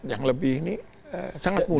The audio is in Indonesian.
yang lebih ini sangat kuat